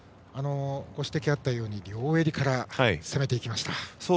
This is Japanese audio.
ご指摘があったように両襟から攻めていきました。